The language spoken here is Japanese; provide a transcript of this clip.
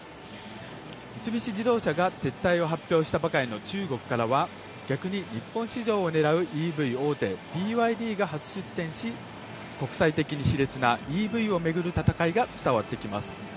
三菱自動車が撤退を発表したばかりの中国からは逆に日本市場を狙うＥＶ大手ＢＹＤが初出店し国際的に熾烈なＥＶを巡る戦いが伝わってきます。